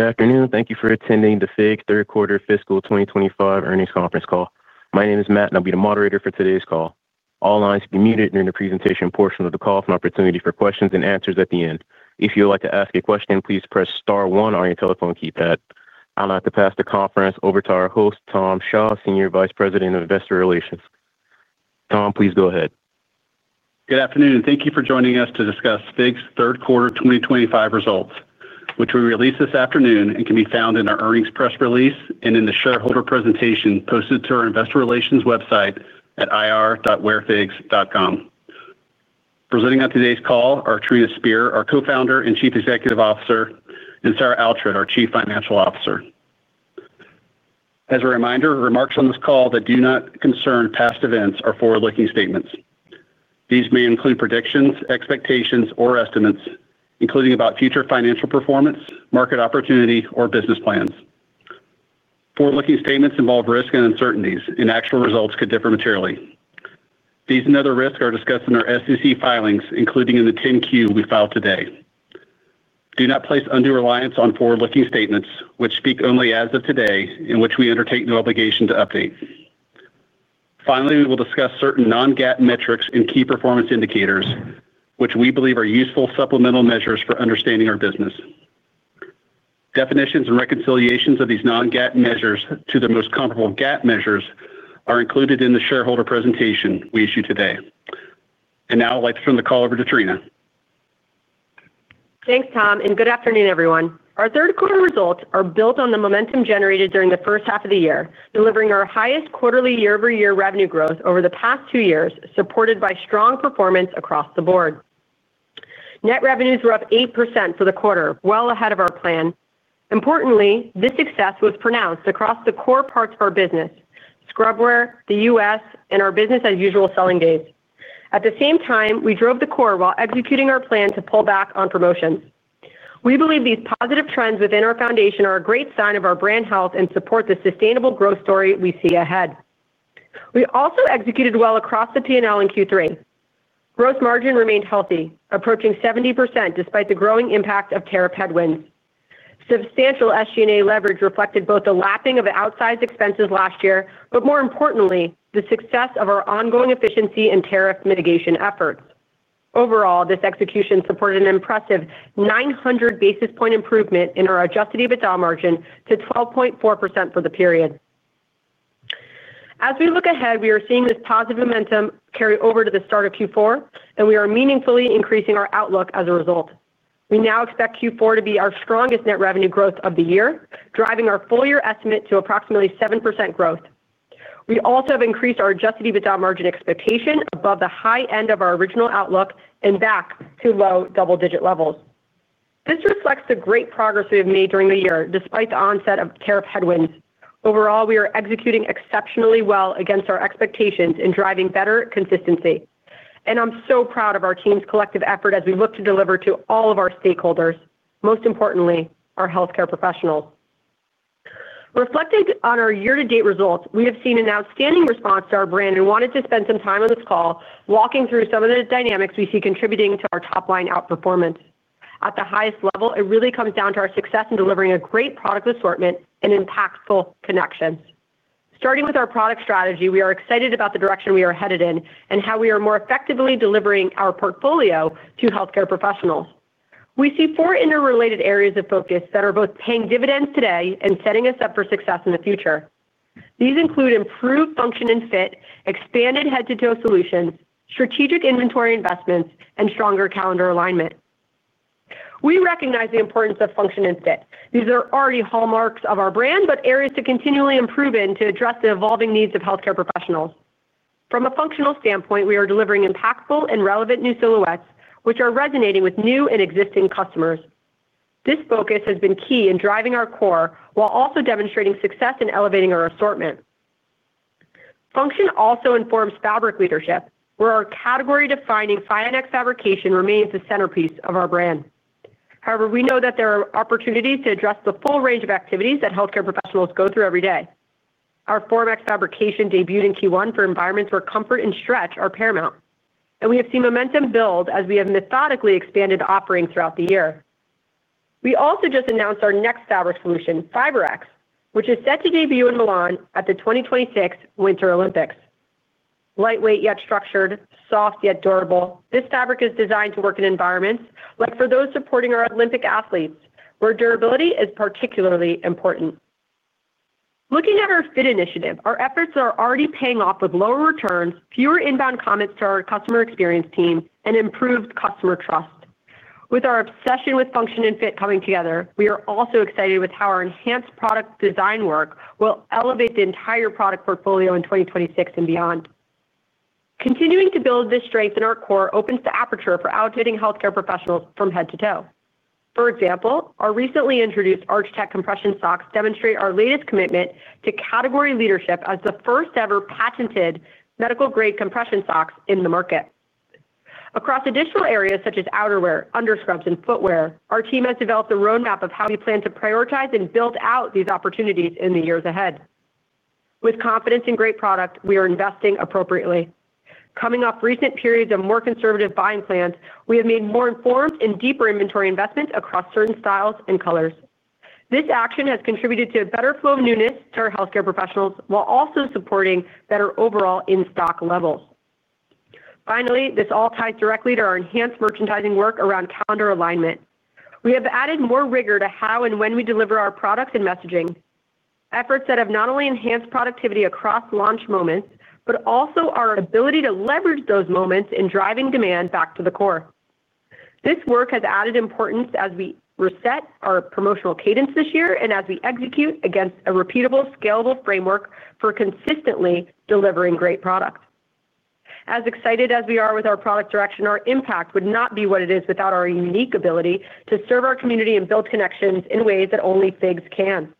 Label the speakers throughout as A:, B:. A: Good afternoon. Thank you for attending the FIGS Third-Quarter Fiscal 2025 Earnings Conference Call. My name is Matt, and I'll be the moderator for today's call. All lines will be muted during the presentation portion of the call for an opportunity for questions and answers at the end. If you would like to ask a question, please press star one on your telephone keypad. I'll now pass the conference over to our host, Tom Shaw, Senior Vice President of Investor Relations. Tom, please go ahead.
B: Good afternoon. Thank you for joining us to discuss FIGS Third-Quarter 2025 results, which we released this afternoon and can be found in our earnings press release and in the shareholder presentation posted to our Investor Relations website at ir.wherefigs.com. Presenting on today's call are Trina Spear, our Co-Founder and Chief Executive Officer, and Sarah Oughtred, our Chief Financial Officer. As a reminder, remarks on this call that do not concern past events are forward-looking statements. These may include predictions, expectations, or estimates, including about future financial performance, market opportunity, or business plans. Forward-looking statements involve risk and uncertainties, and actual results could differ materially. These and other risks are discussed in our SEC filings, including in the 10-Q we filed today. Do not place undue reliance on forward-looking statements, which speak only as of today, in which we undertake no obligation to update. Finally, we will discuss certain non-GAAP metrics and key performance indicators, which we believe are useful supplemental measures for understanding our business. Definitions and reconciliations of these non-GAAP measures to the most comparable GAAP measures are included in the shareholder presentation we issue today. I would like to turn the call over to Trina.
C: Thanks, Tom, and good afternoon, everyone. Our third-quarter results are built on the momentum generated during the first half of the year, delivering our highest quarterly year-over-year revenue growth over the past two years, supported by strong performance across the board. Net revenues were up 8% for the quarter, well ahead of our plan. Importantly, this success was pronounced across the core parts of our business: scrubwear, the U.S., and our business-as-usual selling days. At the same time, we drove the core while executing our plan to pull back on promotions. We believe these positive trends within our foundation are a great sign of our brand health and support the sustainable growth story we see ahead. We also executed well across the P&L in Q3. Gross margin remained healthy, approaching 70% despite the growing impact of tariff headwinds. Substantial SG&A leverage reflected both the lapping of outsized expenses last year, but more importantly, the success of our ongoing efficiency and tariff mitigation efforts. Overall, this execution supported an impressive 900 basis-point improvement in our Adjusted EBITDA margin to 12.4% for the period. As we look ahead, we are seeing this positive momentum carry over to the start of Q4, and we are meaningfully increasing our outlook as a result. We now expect Q4 to be our strongest net revenue growth of the year, driving our full-year estimate to approximately 7% growth. We also have increased our Adjusted EBITDA margin expectation above the high end of our original outlook and back to low double-digit levels. This reflects the great progress we have made during the year despite the onset of tariff headwinds. Overall, we are executing exceptionally well against our expectations and driving better consistency. I'm so proud of our team's collective effort as we look to deliver to all of our stakeholders, most importantly, our healthcare professionals. Reflecting on our year-to-date results, we have seen an outstanding response to our brand and wanted to spend some time on this call walking through some of the dynamics we see contributing to our top-line outperformance. At the highest level, it really comes down to our success in delivering a great product assortment and impactful connections. Starting with our product strategy, we are excited about the direction we are headed in and how we are more effectively delivering our portfolio to healthcare professionals. We see four interrelated areas of focus that are both paying dividends today and setting us up for success in the future. These include improved function and fit, expanded head-to-toe solutions, strategic inventory investments, and stronger calendar alignment. We recognize the importance of function and fit. These are already hallmarks of our brand, but areas to continually improve in to address the evolving needs of healthcare professionals. From a functional standpoint, we are delivering impactful and relevant new silhouettes, which are resonating with new and existing customers. This focus has been key in driving our core while also demonstrating success in elevating our assortment. Function also informs fabric leadership, where our category-defining FINEX fabrication remains the centerpiece of our brand. However, we know that there are opportunities to address the full range of activities that healthcare professionals go through every day. Our FORMEX fabrication debuted in Q1 for environments where comfort and stretch are paramount, and we have seen momentum build as we have methodically expanded offerings throughout the year. We also just announced our next fabric solution, FIBREX, which is set to debut in Milan at the 2026 Winter Olympics. Lightweight yet structured, soft yet durable, this fabric is designed to work in environments like for those supporting our Olympic athletes, where durability is particularly important. Looking at our FID initiative, our efforts are already paying off with lower returns, fewer inbound comments to our customer experience team, and improved customer trust. With our obsession with function and fit coming together, we are also excited with how our enhanced product design work will elevate the entire product portfolio in 2026 and beyond. Continuing to build this strength in our core opens the aperture for outfitting healthcare professionals from head-to-toe. For example, our recently introduced ARCHTECT compression socks demonstrate our latest commitment to category leadership as the first-ever patented medical-grade compression socks in the market. Across additional areas such as outerwear, underscrubs, and footwear, our team has developed a roadmap of how we plan to prioritize and build out these opportunities in the years ahead. With confidence in great product, we are investing appropriately. Coming off recent periods of more conservative buying plans, we have made more informed and deeper inventory investments across certain styles and colors. This action has contributed to a better flow of newness to our healthcare professionals while also supporting better overall in-stock levels. Finally, this all ties directly to our enhanced merchandising work around calendar alignment. We have added more rigor to how and when we deliver our products and messaging, efforts that have not only enhanced productivity across launch moments but also our ability to leverage those moments in driving demand back to the core. This work has added importance as we reset our promotional cadence this year and as we execute against a repeatable, scalable framework for consistently delivering great product. As excited as we are with our product direction, our impact would not be what it is without our unique ability to serve our community and build connections in ways that only FIGS can.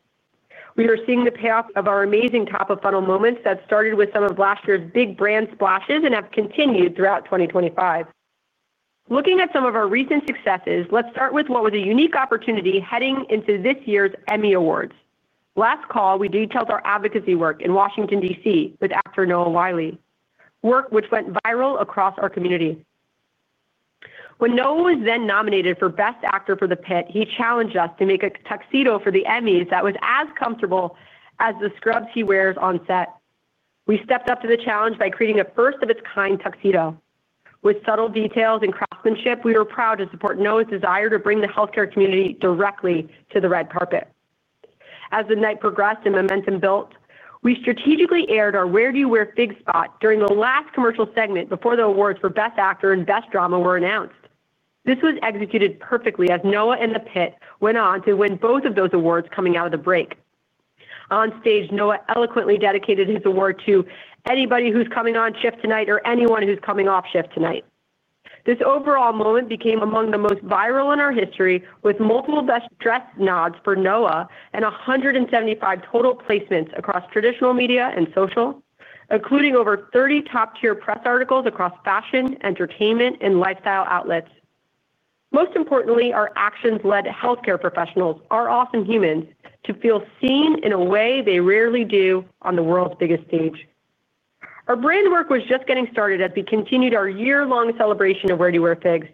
C: We are seeing the payoff of our amazing top-of-funnel moments that started with some of last year's big brand splashes and have continued throughout 2025. Looking at some of our recent successes, let's start with what was a unique opportunity heading into this year's Emmy Awards. Last call, we detailed our advocacy work in Washington, D.C., with actor Noah Wyle, work which went viral across our community. When Noah was then nominated for Best Actor for The Pit, he challenged us to make a tuxedo for the Emmys that was as comfortable as the scrubs he wears on set. We stepped up to the challenge by creating a first-of-its-kind tuxedo. With subtle details and craftsmanship, we were proud to support Noah's desire to bring the healthcare community directly to the red carpet. As the night progressed and momentum built, we strategically aired our "Where do you wear FIGS" spot during the last commercial segment before the awards for Best Actor and Best Drama were announced. This was executed perfectly as Noah and The Pit went on to win both of those awards coming out of the break. On stage, Noah eloquently dedicated his award to anybody who's coming on shift tonight or anyone who's coming off shift tonight. This overall moment became among the most viral in our history, with multiple Best Dressed nods for Noah and 175 total placements across traditional media and social, including over 30 top-tier press articles across fashion, entertainment, and lifestyle outlets. Most importantly, our actions led healthcare professionals, our awesome humans, to feel seen in a way they rarely do on the world's biggest stage. Our brand work was just getting started as we continued our year-long celebration of "Where do you wear FIGS?"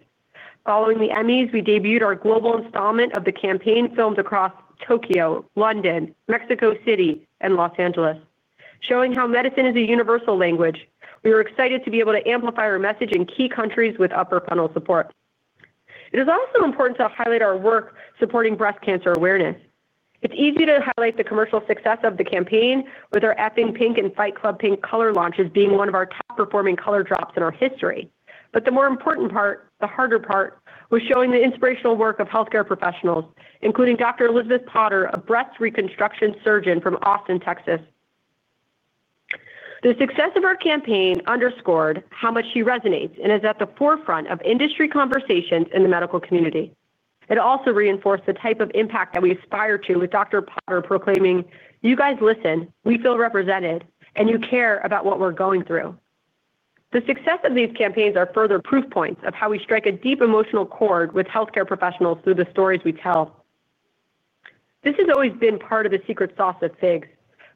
C: Following the Emmys, we debuted our global installment of the campaign films across Tokyo, London, Mexico City, and Los Angeles, showing how medicine is a universal language. We were excited to be able to amplify our message in key countries with upper-funnel support. It is also important to highlight our work supporting breast cancer awareness. It's easy to highlight the commercial success of the campaign, with our FN Pink and Fight Club Pink color launches being one of our top-performing color drops in our history. The more important part, the harder part, was showing the inspirational work of healthcare professionals, including Dr. Elizabeth Potter, a breast reconstruction surgeon from Austin, Texas. The success of our campaign underscored how much she resonates and is at the forefront of industry conversations in the medical community. It also reinforced the type of impact that we aspire to, with Dr. Potter proclaiming, "You guys listen, we feel represented, and you care about what we're going through." The success of these campaigns is further proof points of how we strike a deep emotional chord with healthcare professionals through the stories we tell. This has always been part of the secret sauce of FIGS.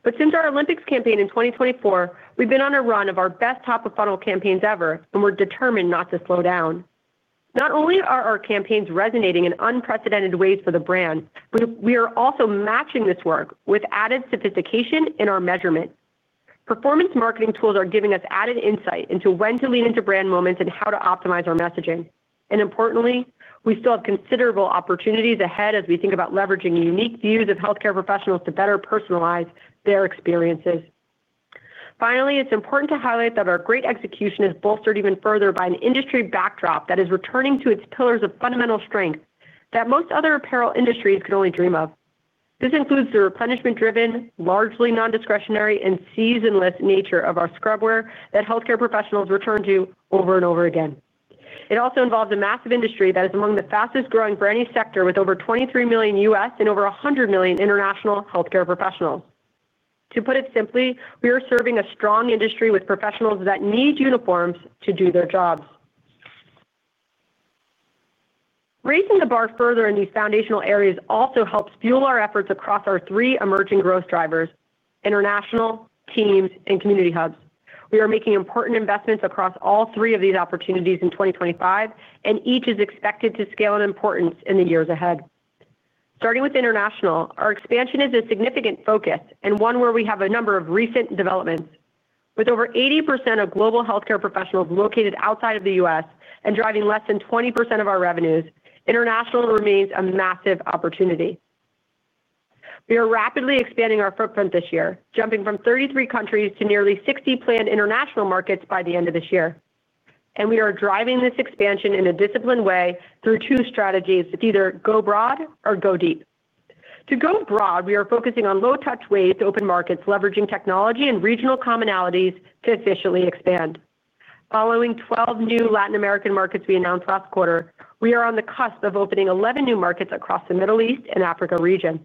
C: Since our Olympics campaign in 2024, we've been on a run of our best top-of-funnel campaigns ever, and we're determined not to slow down. Not only are our campaigns resonating in unprecedented ways for the brand, we are also matching this work with added sophistication in our measurement. Performance marketing tools are giving us added insight into when to lean into brand moments and how to optimize our messaging. Importantly, we still have considerable opportunities ahead as we think about leveraging unique views of healthcare professionals to better personalize their experiences. Finally, it's important to highlight that our great execution is bolstered even further by an industry backdrop that is returning to its pillars of fundamental strength that most other apparel industries could only dream of. This includes the replenishment-driven, largely non-discretionary, and seasonless nature of our scrubwear that healthcare professionals return to over and over again. It also involves a massive industry that is among the fastest-growing for any sector, with over 23 million U.S. and over 100 million international healthcare professionals. To put it simply, we are serving a strong industry with professionals that need uniforms to do their jobs. Raising the bar further in these foundational areas also helps fuel our efforts across our three emerging growth drivers: International, Teams, and Community Hubs. We are making important investments across all three of these opportunities in 2025, and each is expected to scale in importance in the years ahead. Starting with international, our expansion is a significant focus and one where we have a number of recent developments. With over 80% of global healthcare professionals located outside of the U.S. and driving less than 20% of our revenues, international remains a massive opportunity. We are rapidly expanding our footprint this year, jumping from 33 countries to nearly 60 planned international markets by the end of this year. We are driving this expansion in a disciplined way through two strategies: it's either go broad or go deep. To go broad, we are focusing on low-touch ways to open markets, leveraging technology and regional commonalities to efficiently expand. Following 12 new Latin American markets we announced last quarter, we are on the cusp of opening 11 new markets across the Middle East and Africa region.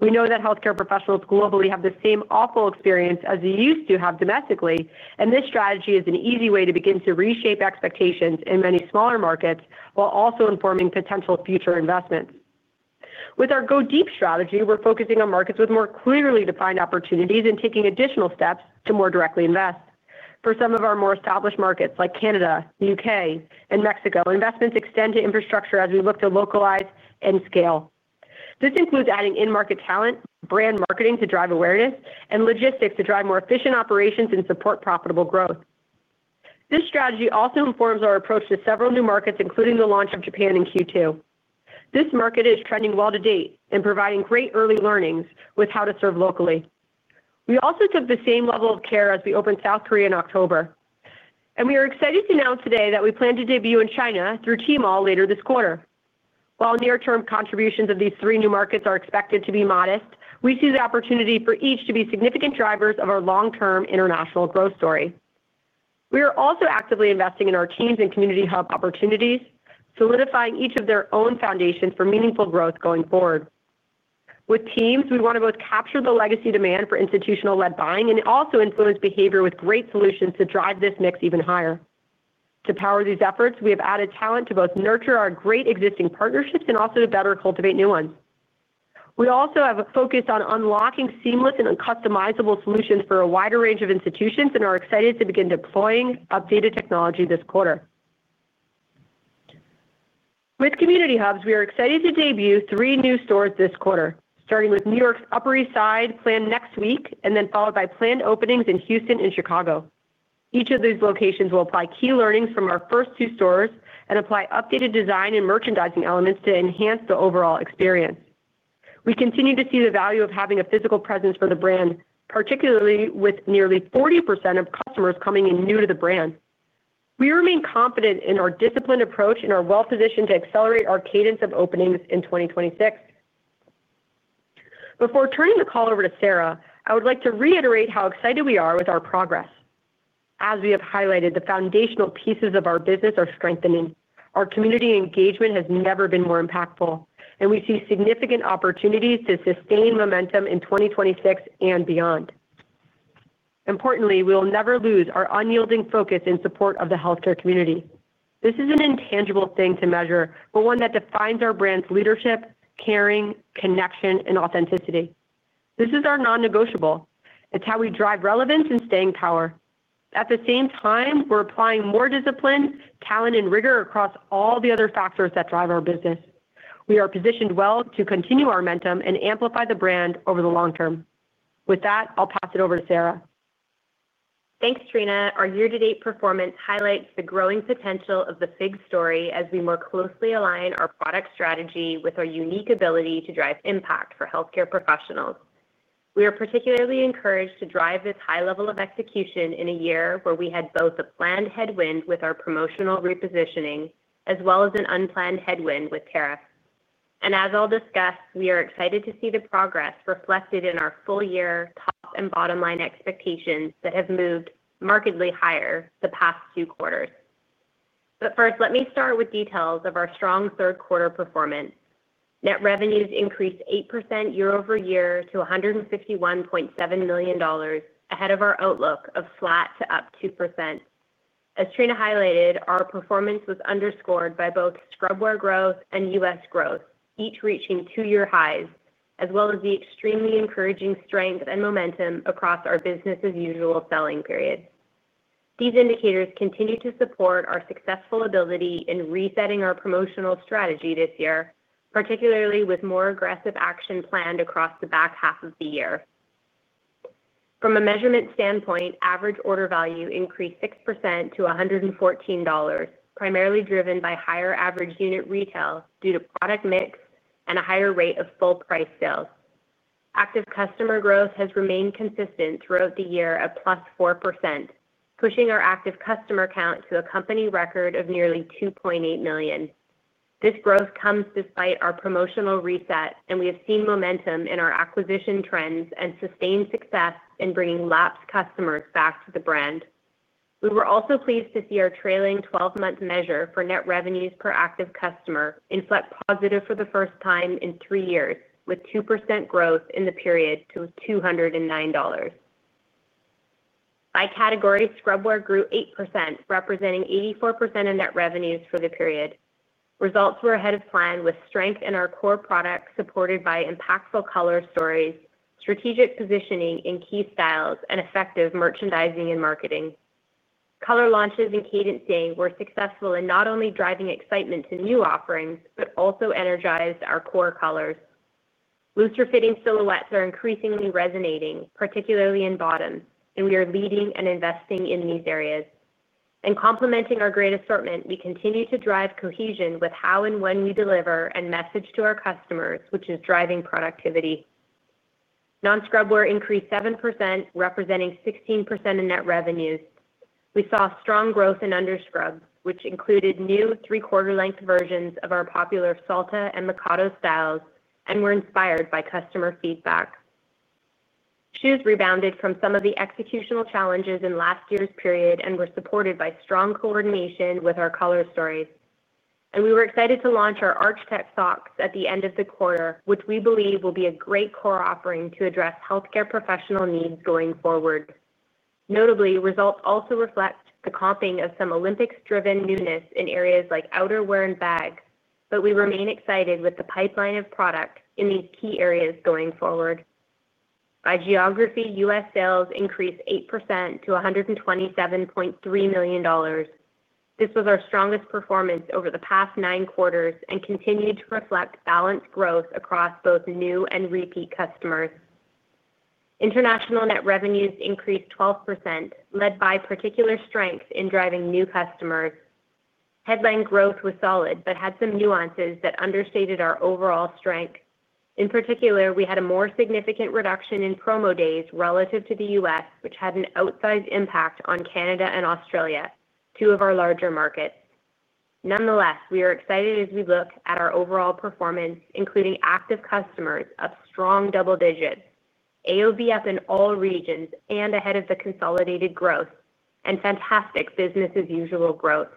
C: We know that healthcare professionals globally have the same awful experience as they used to have domestically, and this strategy is an easy way to begin to reshape expectations in many smaller markets while also informing potential future investments. With our go deep strategy, we're focusing on markets with more clearly defined opportunities and taking additional steps to more directly invest. For some of our more established markets, like Canada, the U.K., and Mexico, investments extend to infrastructure as we look to localize and scale. This includes adding in-market talent, brand marketing to drive awareness, and logistics to drive more efficient operations and support profitable growth. This strategy also informs our approach to several new markets, including the launch of Japan in Q2. This market is trending well to date and providing great early learnings with how to serve locally. We also took the same level of care as we opened South Korea in October, and we are excited to announce today that we plan to debut in China through Tmall later this quarter. While near-term contributions of these three new markets are expected to be modest, we see the opportunity for each to be significant drivers of our long-term international growth story. We are also actively investing in our Teams and Community Hub opportunities, solidifying each of their own foundations for meaningful growth going forward. With Teams, we want to both capture the legacy demand for institutional-led buying and also influence behavior with great solutions to drive this mix even higher. To power these efforts, we have added talent to both nurture our great existing partnerships and also to better cultivate new ones. We also have a focus on unlocking seamless and customizable solutions for a wider range of institutions and are excited to begin deploying updated technology this quarter. With Community Hubs, we are excited to debut three new stores this quarter, starting with New York's Upper East Side, planned next week, and then followed by planned openings in Houston and Chicago. Each of these locations will apply key learnings from our first two stores and apply updated design and merchandising elements to enhance the overall experience. We continue to see the value of having a physical presence for the brand, particularly with nearly 40% of customers coming in new to the brand. We remain confident in our disciplined approach and are well-positioned to accelerate our cadence of openings in 2026. Before turning the call over to Sarah, I would like to reiterate how excited we are with our progress. As we have highlighted, the foundational pieces of our business are strengthening. Our community engagement has never been more impactful, and we see significant opportunities to sustain momentum in 2026 and beyond. Importantly, we will never lose our unyielding focus in support of the healthcare community. This is an intangible thing to measure, but one that defines our brand's leadership, caring, connection, and authenticity. This is our non-negotiable. It is how we drive relevance and stay in power. At the same time, we are applying more discipline, talent, and rigor across all the other factors that drive our business. We are positioned well to continue our momentum and amplify the brand over the long term. With that, I will pass it over to Sarah.
D: Thanks, Trina. Our year-to-date performance highlights the growing potential of the FIGS story as we more closely align our product strategy with our unique ability to drive impact for healthcare professionals. We are particularly encouraged to drive this high level of execution in a year where we had both a planned headwind with our promotional repositioning as well as an unplanned headwind with tariffs. As I'll discuss, we are excited to see the progress reflected in our full-year top and bottom-line expectations that have moved markedly higher the past two quarters. First, let me start with details of our strong third-quarter performance. Net revenues increased 8% year-over-year to $151.7 million, ahead of our outlook of flat to up 2%. As Trina highlighted, our performance was underscored by both scrubwear growth and U.S. growth, each reaching two-year highs, as well as the extremely encouraging strength and momentum across our business-as-usual selling period. These indicators continue to support our successful ability in resetting our promotional strategy this year, particularly with more aggressive action planned across the back half of the year. From a measurement standpoint, average order value increased 6% to $114, primarily driven by higher average unit retail due to product mix and a higher rate of full-price sales. Active customer growth has remained consistent throughout the year at plus 4%, pushing our active customer count to a company record of nearly 2.8 million. This growth comes despite our promotional reset, and we have seen momentum in our acquisition trends and sustained success in bringing lapsed customers back to the brand. We were also pleased to see our trailing 12-month measure for net revenues per active customer inflect positive for the first time in three years, with 2% growth in the period to $209. By category, scrubwear grew 8%, representing 84% of net revenues for the period. Results were ahead of plan, with strength in our core product supported by impactful color stories, strategic positioning in key styles, and effective merchandising and marketing. Color launches and cadence gain were successful in not only driving excitement to new offerings but also energized our core colors. Looser-fitting silhouettes are increasingly resonating, particularly in bottoms, and we are leading and investing in these areas. In complementing our great assortment, we continue to drive cohesion with how and when we deliver and message to our customers, which is driving productivity. Non-scrubwear increased 7%, representing 16% of net revenues. We saw strong growth in underscrubs, which included new three-quarter-length versions of our popular Salta and Mikado styles and were inspired by customer feedback. Shoes rebounded from some of the executional challenges in last year's period and were supported by strong coordination with our color stories. We were excited to launch our ARCHTECT socks at the end of the quarter, which we believe will be a great core offering to address healthcare professional needs going forward. Notably, results also reflect the comping of some Olympics-driven newness in areas like outerwear and bags. We remain excited with the pipeline of product in these key areas going forward. By geography, U.S. sales increased 8% to $127.3 million. This was our strongest performance over the past nine quarters and continued to reflect balanced growth across both new and repeat customers. International net revenues increased 12%, led by particular strength in driving new customers. Headline growth was solid but had some nuances that understated our overall strength. In particular, we had a more significant reduction in promo days relative to the U.S., which had an outsized impact on Canada and Australia, two of our larger markets. Nonetheless, we are excited as we look at our overall performance, including active customers of strong double digits, AOV up in all regions and ahead of the consolidated growth, and fantastic business-as-usual growth.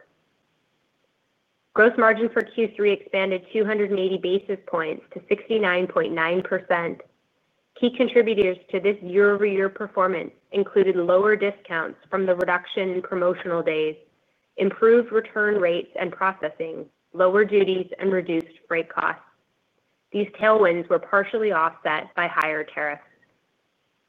D: Gross margin for Q3 expanded 280 basis points to 69.9%. Key contributors to this year-over-year performance included lower discounts from the reduction in promotional days, improved return rates and processing, lower duties, and reduced freight costs. These tailwinds were partially offset by higher tariffs.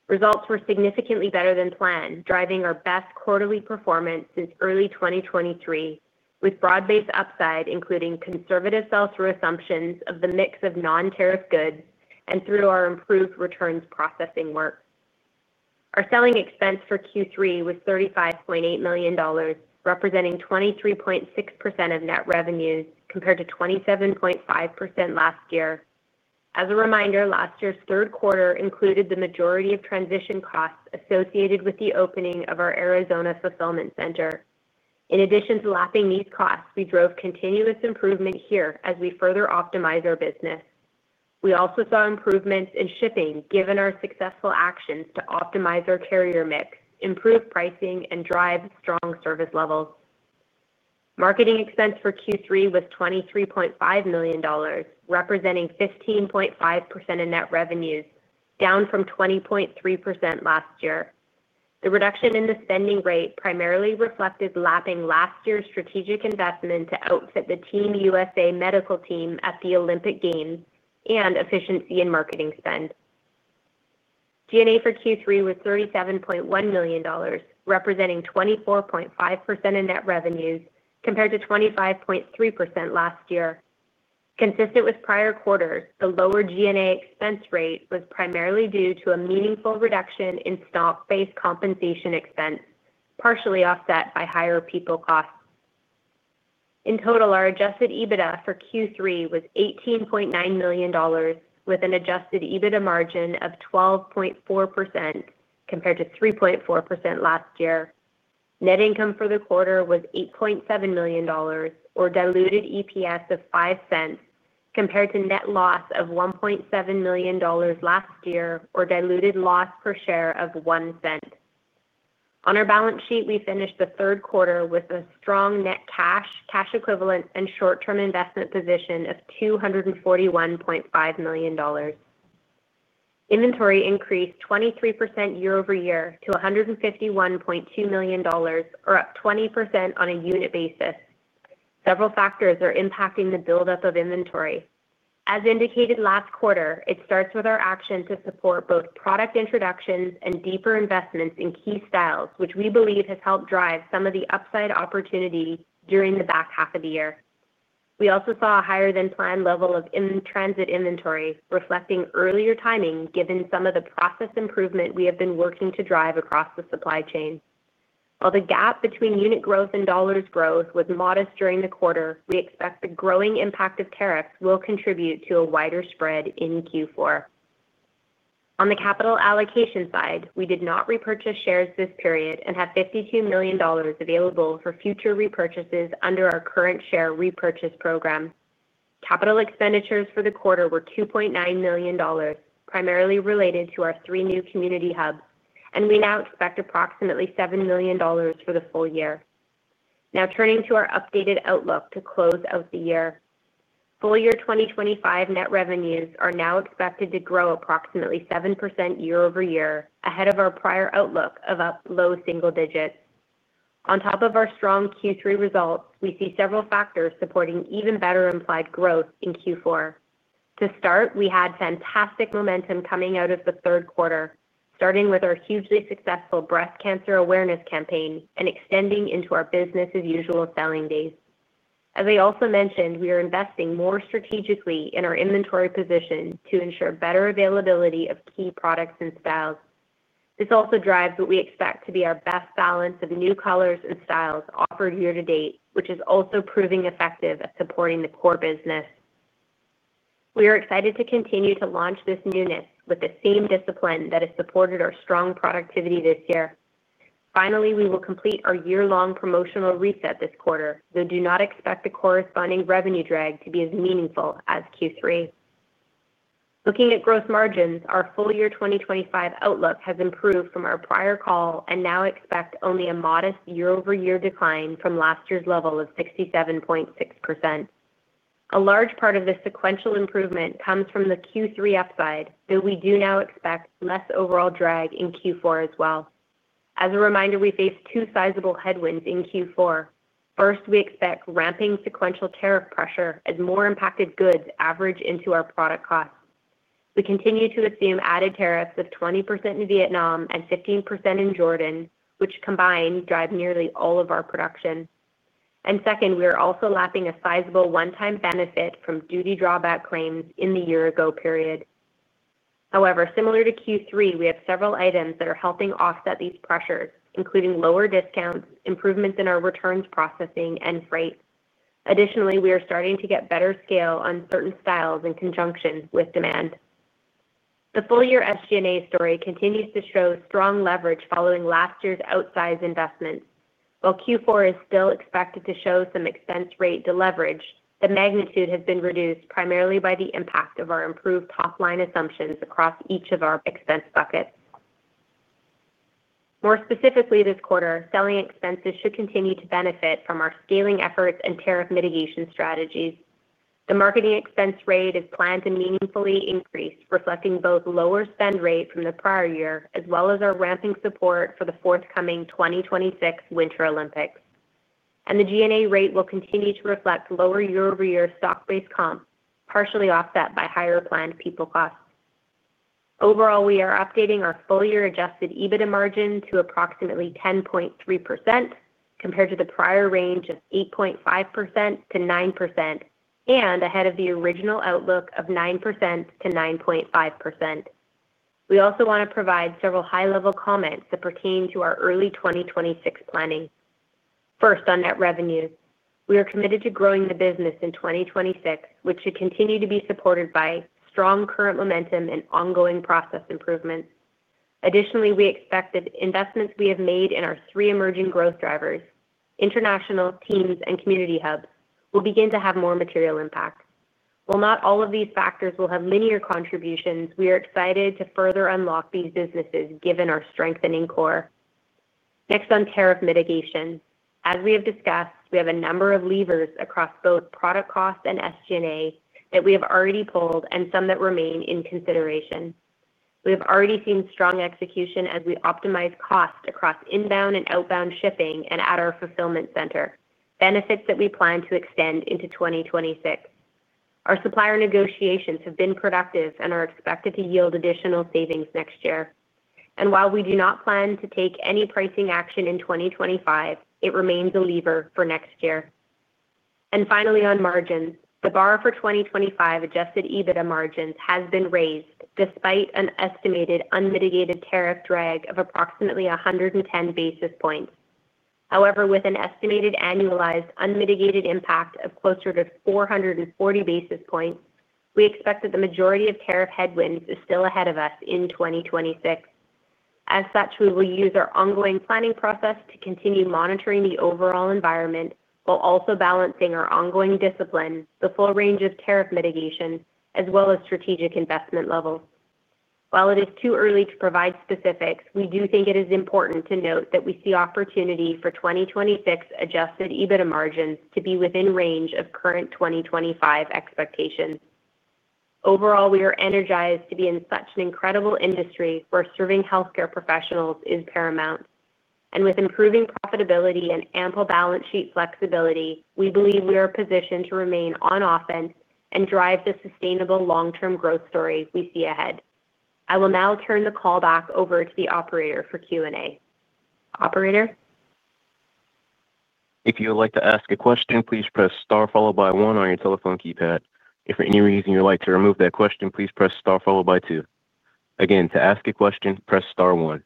D: Results were significantly better than planned, driving our best quarterly performance since early 2023, with broad-based upside including conservative sell-through assumptions of the mix of non-tariff goods and through our improved returns processing work. Our selling expense for Q3 was $35.8 million, representing 23.6% of net revenues compared to 27.5% last year. As a reminder, last year's third quarter included the majority of transition costs associated with the opening of our Arizona fulfillment center. In addition to lapping these costs, we drove continuous improvement here as we further optimized our business. We also saw improvements in shipping, given our successful actions to optimize our carrier mix, improve pricing, and drive strong service levels. Marketing expense for Q3 was $23.5 million, representing 15.5% of net revenues, down from 20.3% last year. The reduction in the spending rate primarily reflected lapping last year's strategic investment to outfit the Team USA medical team at the Olympic Games and efficiency in marketing spend. G&A for Q3 was $37.1 million, representing 24.5% of net revenues compared to 25.3% last year. Consistent with prior quarters, the lower G&A expense rate was primarily due to a meaningful reduction in stock-based compensation expense, partially offset by higher people costs. In total, our Adjusted EBITDA for Q3 was $18.9 million, with an Adjusted EBITDA margin of 12.4% compared to 3.4% last year. Net income for the quarter was $8.7 million, or diluted EPS of $0.05, compared to net loss of $1.7 million last year, or diluted loss per share of $0.01. On our balance sheet, we finished the third quarter with a strong net cash, cash equivalent, and short-term investment position of $241.5 million. Inventory increased 23% year-over-year to $151.2 million, or up 20% on a unit basis. Several factors are impacting the buildup of inventory. As indicated last quarter, it starts with our action to support both product introductions and deeper investments in key styles, which we believe has helped drive some of the upside opportunity during the back half of the year. We also saw a higher-than-planned level of in-transit inventory, reflecting earlier timing given some of the process improvement we have been working to drive across the supply chain. While the gap between unit growth and dollars growth was modest during the quarter, we expect the growing impact of tariffs will contribute to a wider spread in Q4. On the capital allocation side, we did not repurchase shares this period and have $52 million available for future repurchases under our current share repurchase program. Capital expenditures for the quarter were $2.9 million, primarily related to our three new Community Hubs, and we now expect approximately $7 million for the full year. Now, turning to our updated outlook to close out the year, full year 2025 net revenues are now expected to grow approximately 7% year-over-year, ahead of our prior outlook of up low single digits. On top of our strong Q3 results, we see several factors supporting even better implied growth in Q4. To start, we had fantastic momentum coming out of the third quarter, starting with our hugely successful breast cancer awareness campaign and extending into our business-as-usual selling days. As I also mentioned, we are investing more strategically in our inventory position to ensure better availability of key products and styles. This also drives what we expect to be our best balance of new colors and styles offered year-to-date, which is also proving effective at supporting the core business. We are excited to continue to launch this newness with the same discipline that has supported our strong productivity this year. Finally, we will complete our year-long promotional reset this quarter, though do not expect the corresponding revenue drag to be as meaningful as Q3. Looking at gross margins, our full-year 2025 outlook has improved from our prior call and now expect only a modest year-over-year decline from last year's level of 67.6%. A large part of this sequential improvement comes from the Q3 upside, though we do now expect less overall drag in Q4 as well. As a reminder, we face two sizable headwinds in Q4. First, we expect ramping sequential tariff pressure as more impacted goods average into our product costs. We continue to assume added tariffs of 20% in Vietnam and 15% in Jordan, which combined drive nearly all of our production. We are also lapping a sizable one-time benefit from duty drawback claims in the year-ago period. However, similar to Q3, we have several items that are helping offset these pressures, including lower discounts, improvements in our returns processing, and freight. Additionally, we are starting to get better scale on certain styles in conjunction with demand. The full-year SG&A story continues to show strong leverage following last year's outsized investments. While Q4 is still expected to show some expense rate to leverage, the magnitude has been reduced primarily by the impact of our improved top-line assumptions across each of our expense buckets. More specifically this quarter, selling expenses should continue to benefit from our scaling efforts and tariff mitigation strategies. The marketing expense rate is planned to meaningfully increase, reflecting both lower spend rate from the prior year as well as our ramping support for the forthcoming 2026 Winter Olympics. The G&A rate will continue to reflect lower year-over-year stock-based comp, partially offset by higher planned people costs. Overall, we are updating our full year Adjusted EBITDA margin to approximately 10.3% compared to the prior range of 8.5%-9% and ahead of the original outlook of 9%-9.5%. We also want to provide several high-level comments that pertain to our early 2026 planning. First, on net revenues, we are committed to growing the business in 2026, which should continue to be supported by strong current momentum and ongoing process improvements. Additionally, we expect that investments we have made in our three emerging growth drivers, International, Teams, and Community Hubs, will begin to have more material impact. While not all of these factors will have linear contributions, we are excited to further unlock these businesses given our strengthening core. Next, on tariff mitigation. As we have discussed, we have a number of levers across both product costs and SG&A that we have already pulled and some that remain in consideration. We have already seen strong execution as we optimize costs across inbound and outbound shipping and at our fulfillment center, benefits that we plan to extend into 2026. Our supplier negotiations have been productive and are expected to yield additional savings next year. While we do not plan to take any pricing action in 2025, it remains a lever for next year. Finally, on margins, the bar for 2025 Adjusted EBITDA margins has been raised despite an estimated unmitigated tariff drag of approximately 110 basis points. However, with an estimated annualized unmitigated impact of closer to 440 basis points, we expect that the majority of tariff headwinds is still ahead of us in 2026. As such, we will use our ongoing planning process to continue monitoring the overall environment while also balancing our ongoing discipline, the full range of tariff mitigation, as well as strategic investment levels. While it is too early to provide specifics, we do think it is important to note that we see opportunity for 2026 Adjusted EBITDA margins to be within range of current 2025 expectations. Overall, we are energized to be in such an incredible industry where serving healthcare professionals is paramount. With improving profitability and ample balance sheet flexibility, we believe we are positioned to remain on offense and drive the sustainable long-term growth story we see ahead. I will now turn the call back over to the operator for Q&A. Operator.
A: If you would like to ask a question, please press star followed by one on your telephone keypad. If for any reason you would like to remove that question, please press star followed by two. Again, to ask a question, press star one.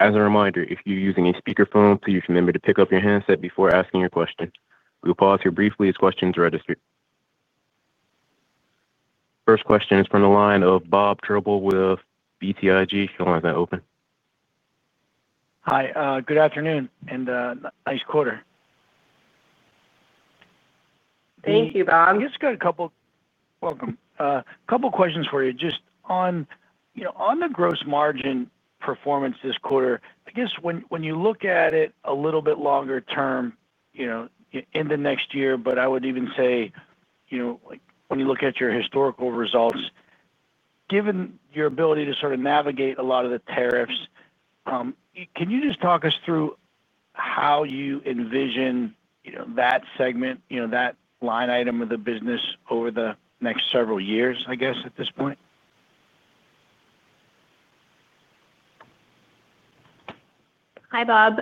A: As a reminder, if you're using a speakerphone, please remember to pick up your handset before asking your question. We'll pause here briefly as questions are registered. First question is from the line of Bob Drbul with BTIG. Your line is open.
E: Hi. Good afternoon and nice quarter.
C: Thank you, Bob.
E: I'm just going to have a couple, welcome, a couple of questions for you. Just on the gross margin performance this quarter, I guess when you look at it a little bit longer term. In the next year, but I would even say. When you look at your historical results, given your ability to sort of navigate a lot of the tariffs. Can you just talk us through how you envision that segment, that line item of the business over the next several years, I guess, at this point?
D: Hi, Bob.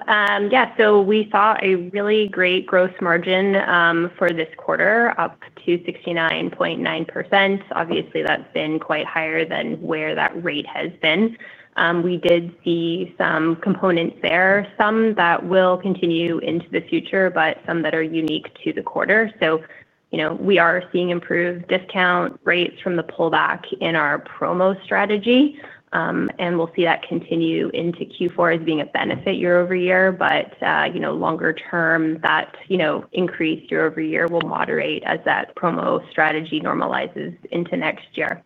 D: Yeah, so we saw a really great gross margin for this quarter, up to 69.9%. Obviously, that's been quite higher than where that rate has been. We did see some components there, some that will continue into the future, but some that are unique to the quarter. We are seeing improved discount rates from the pullback in our promo strategy. We'll see that continue into Q4 as being a benefit year-over-year. Longer term, that increase year-over-year will moderate as that promo strategy normalizes into next year.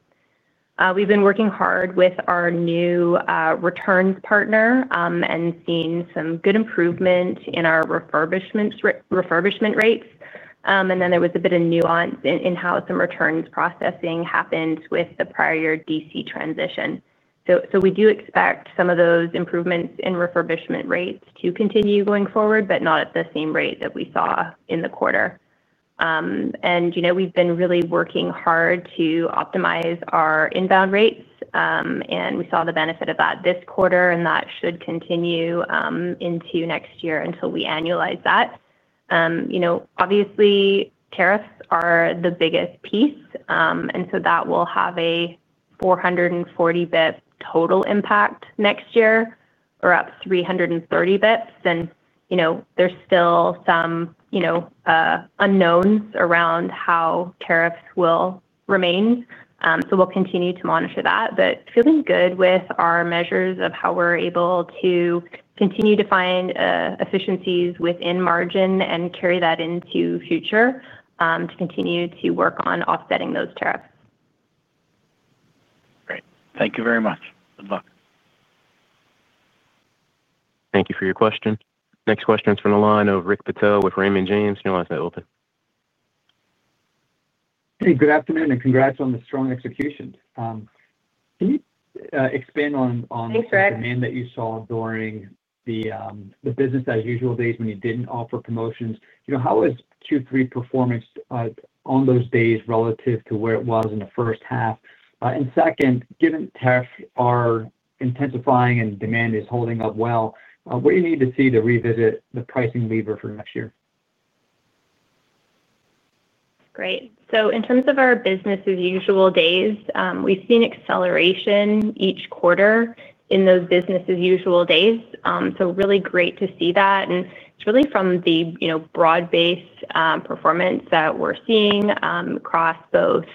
D: We've been working hard with our new. Returns partner and seeing some good improvement in our refurbishment rates. There was a bit of nuance in how some returns processing happened with the prior-year DC transition. We do expect some of those improvements in refurbishment rates to continue going forward, but not at the same rate that we saw in the quarter. We've been really working hard to optimize our inbound rates, and we saw the benefit of that this quarter, and that should continue into next year until we annualize that. Obviously, tariffs are the biggest piece, and that will have a 440 basis-point total impact next year, or up 330 basis points. There are still some unknowns around how tariffs will remain. We'll continue to monitor that. Feeling good with our measures of how we're able to. Continue to find efficiencies within margin and carry that into future to continue to work on offsetting those tariffs.
E: Great. Thank you very much. Good luck.
A: Thank you for your question. Next question is from the line of Rick Patel with Raymond James. Your line is open.
F: Hey, good afternoon and congrats on the strong execution. Can you expand on.
C: Thanks, Rick.
F: The demand that you saw during the business-as-usual days when you did not offer promotions? How was Q3 performance on those days relative to where it was in the first half? And second, given tariffs are intensifying and demand is holding up well, what do you need to see to revisit the pricing lever for next year?
D: Great. In terms of our business-as-usual days, we have seen acceleration each quarter in those business-as-usual days. Really great to see that. It is really from the broad-based performance that we are seeing across both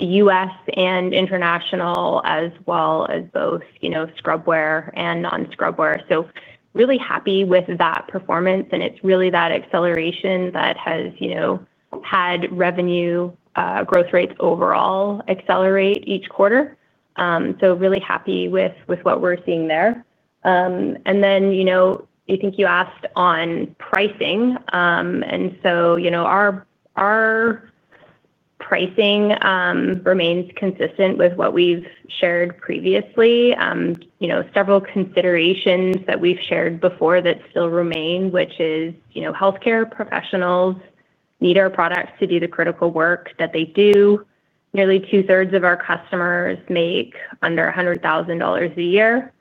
D: the U.S. and International, as well as both scrubwear and non-scrubwear. Really happy with that performance. It is that acceleration that has had revenue growth rates overall accelerate each quarter. Really happy with what we are seeing there. I think you asked on pricing. Our pricing remains consistent with what we have shared previously. Several considerations that we have shared before still remain, which is healthcare professionals need our products to do the critical work that they do. Nearly two-thirds of our customers make under $100,000 a year.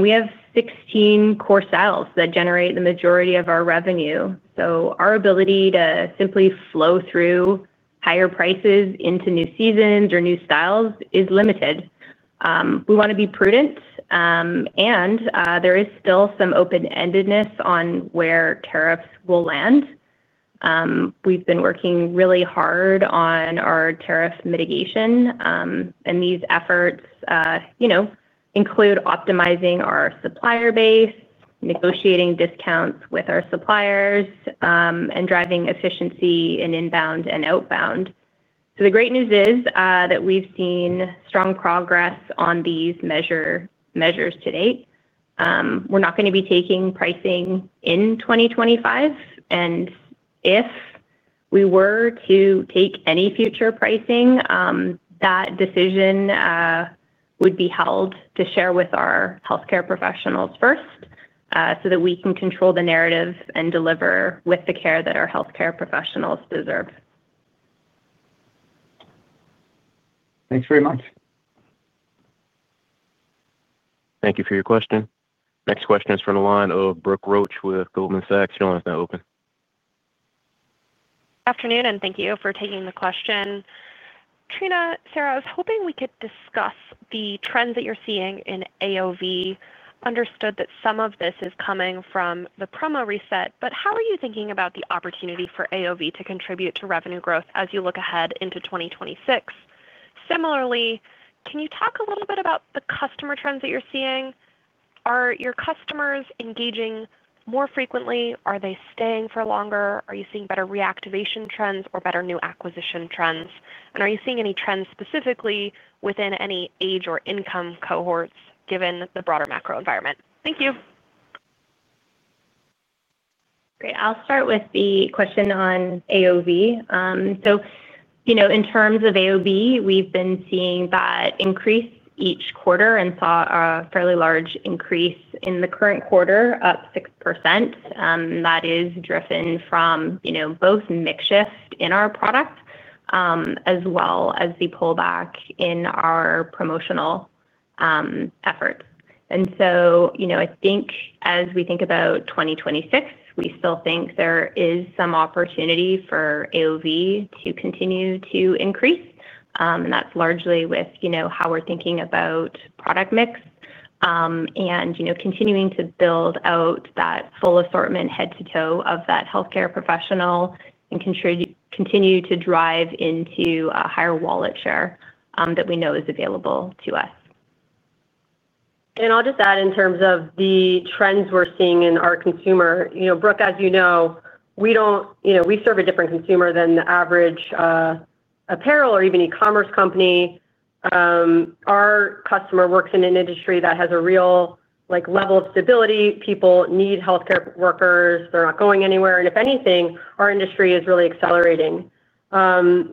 D: We have 16 core styles that generate the majority of our revenue. Our ability to simply flow through higher prices into new seasons or new styles is limited. We want to be prudent. There is still some open-endedness on where tariffs will land. We've been working really hard on our tariff mitigation. These efforts include optimizing our supplier base, negotiating discounts with our suppliers, and driving efficiency in inbound and outbound. The great news is that we've seen strong progress on these measures to date. We're not going to be taking pricing in 2025. If we were to take any future pricing, that decision would be held to share with our healthcare professionals first, so that we can control the narrative and deliver with the care that our healthcare professionals deserve.
F: Thanks very much.
A: Thank you for your question. Next question is from the line of Brooke Roach with Goldman Sachs. Your line is open.
G: Good afternoon and thank you for taking the question. Trina, Sarah, I was hoping we could discuss the trends that you're seeing in AOV. Understood that some of this is coming from the promo reset, but how are you thinking about the opportunity for AOV to contribute to revenue growth as you look ahead into 2026? Similarly, can you talk a little bit about the customer trends that you're seeing? Are your customers engaging more frequently? Are they staying for longer? Are you seeing better reactivation trends or better new acquisition trends? Are you seeing any trends specifically within any age or income cohorts given the broader macro environment? Thank you.
D: Great. I'll start with the question on AOV. In terms of AOV, we've been seeing that increase each quarter and saw a fairly large increase in the current quarter, up 6%. That is driven from both mix shift in our product. As well as the pullback in our promotional efforts. I think as we think about 2026, we still think there is some opportunity for AOV to continue to increase. That is largely with how we are thinking about product mix and continuing to build out that full assortment head-to-toe of that healthcare professional. We continue to drive into a higher wallet share that we know is available to us.
C: I will just add in terms of the trends we are seeing in our consumer. Brooke, as you know, we do not—we serve a different consumer than the average apparel or even e-commerce company. Our customer works in an industry that has a real level of stability. People need healthcare workers. They are not going anywhere. If anything, our industry is really accelerating. Healthcare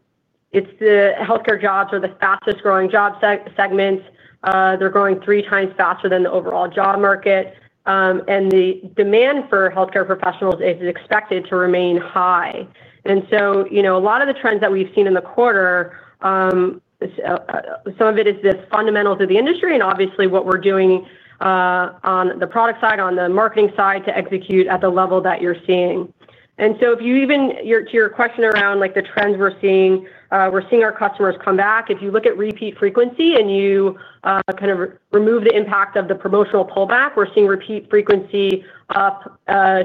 C: jobs are the fastest-growing job segments. They're growing three times faster than the overall job market. The demand for healthcare professionals is expected to remain high. A lot of the trends that we've seen in the quarter, some of it is the fundamentals of the industry and obviously what we're doing on the product side, on the marketing side to execute at the level that you're seeing. If you even—to your question around the trends we're seeing, we're seeing our customers come back. If you look at repeat frequency and you kind of remove the impact of the promotional pullback, we're seeing repeat frequency up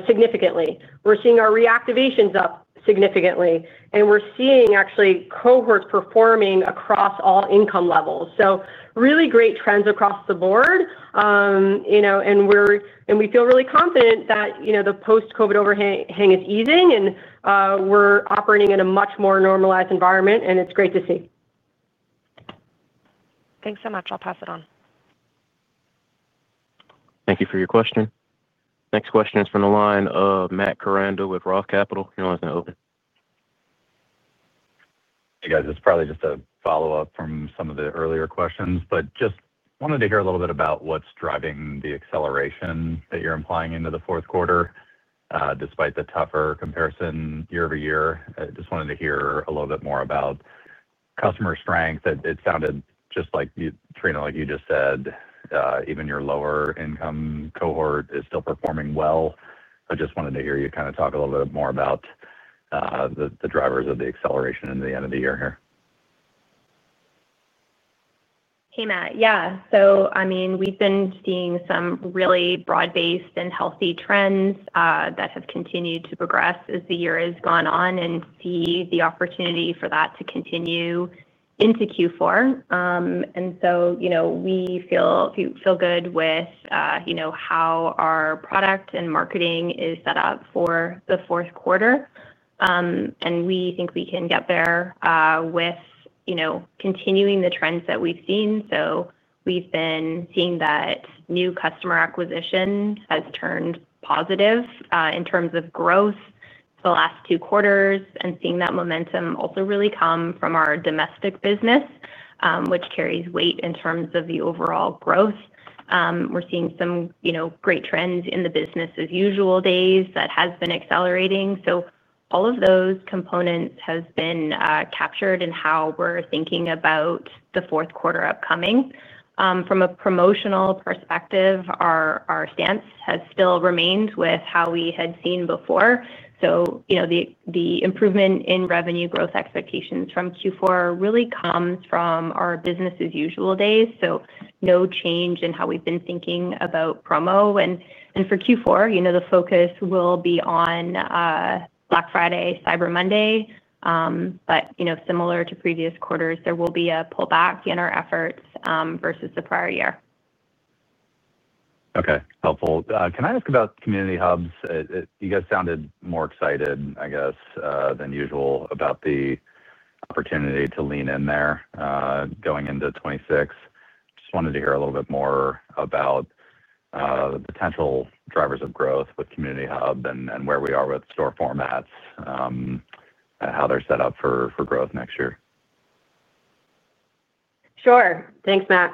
C: significantly. We're seeing our reactivations up significantly. We're seeing actually cohorts performing across all income levels. Really great trends across the board. We feel really confident that the post-COVID overhang is easing, and we're operating in a much more normalized environment, and it's great to see.
G: Thanks so much. I'll pass it on.
A: Thank you for your question. Next question is from the line of Matt Koranda with ROTH Capital. Your line is open.
H: Hey, guys. This is probably just a follow-up from some of the earlier questions, but just wanted to hear a little bit about what's driving the acceleration that you're implying into the fourth quarter. Despite the tougher comparison year-over-year, I just wanted to hear a little bit more about customer strength. It sounded just like, Trina, like you just said, even your lower-income cohort is still performing well. I just wanted to hear you kind of talk a little bit more about the drivers of the acceleration in the end of the year here.
D: Hey, Matt. Yeah. So I mean, we've been seeing some really broad-based and healthy trends that have continued to progress as the year has gone on and see the opportunity for that to continue into Q4. We feel good with how our product and marketing is set up for the fourth quarter. We think we can get there with continuing the trends that we've seen. We've been seeing that new customer acquisition has turned positive in terms of growth the last two quarters and seeing that momentum also really come from our domestic business, which carries weight in terms of the overall growth. We're seeing some great trends in the business-as-usual days that have been accelerating. All of those components have been captured in how we're thinking about the fourth quarter upcoming. From a promotional perspective, our stance has still remained with how we had seen before. The improvement in revenue growth expectations from Q4 really comes from our business-as-usual days. No change in how we've been thinking about promo. For Q4, the focus will be on Black Friday, Cyber Monday. Similar to previous quarters, there will be a pullback in our efforts versus the prior year.
H: Okay. Helpful. Can I ask about Community Hubs? You guys sounded more excited, I guess, than usual about the opportunity to lean in there going into 2026. Just wanted to hear a little bit more about the potential drivers of growth with Community Hub and where we are with store formats. And how they're set up for growth next year.
C: Sure. Thanks, Matt.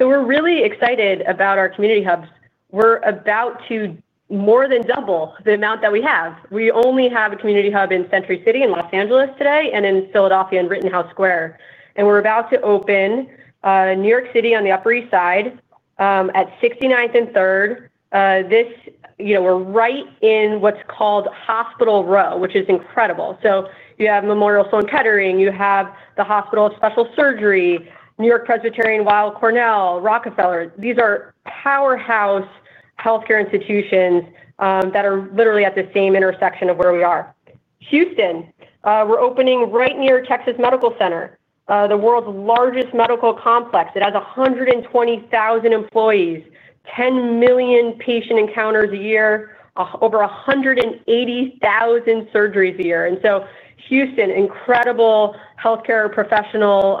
C: We're really excited about our Community Hubs. We're about to more than double the amount that we have. We only have a Community Hub in Century City in Los Angeles today and in Philadelphia in Rittenhouse Square. We're about to open New York City on the Upper East Side at 69th and 3rd. We're right in what's called Hospital Row, which is incredible. You have Memorial Sloan Kettering, you have the Hospital of Special Surgery, New York Presbyterian Weill Cornell, Rockefeller. These are powerhouse healthcare institutions that are literally at the same intersection of where we are. In Houston, we're opening right near Texas Medical Center, the world's largest medical complex. It has 120,000 employees, 10 million patient encounters a year, over 180,000 surgeries a year. Houston is an incredible healthcare professional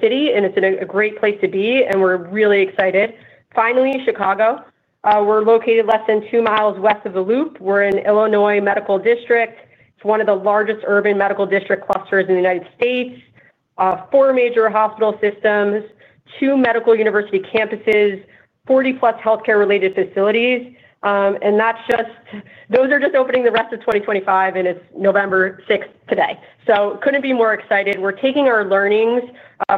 C: city, and it's a great place to be, and we're really excited. Finally, Chicago. We're located less than 2 mi west of the Loop. We're in Illinois Medical District. It's one of the largest urban medical district clusters in the U.S. Four major hospital systems, two medical university campuses, 40-plus healthcare-related facilities. Those are just opening the rest of 2025, and it's November 6 today. Could not be more excited. We're taking our learnings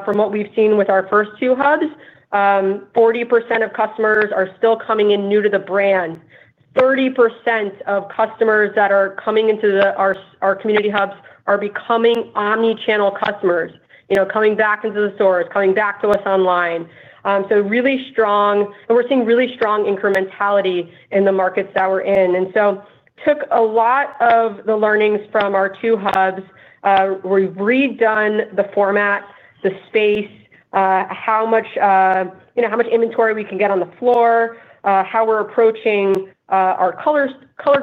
C: from what we've seen with our first two Hubs. 40% of customers are still coming in new to the brand. 30% of customers that are coming into our Community Hubs are becoming omnichannel customers, coming back into the stores, coming back to us online. Really strong. We're seeing really strong incrementality in the markets that we're in. Took a lot of the learnings from our two hubs. We've redone the format, the space. How much. Inventory we can get on the floor, how we're approaching our color